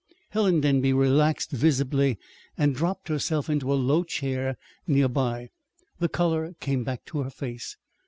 Helen Denby relaxed visibly, and dropped herself into a low chair near by. The color came back to her face.